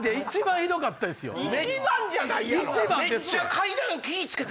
１番じゃないやろ！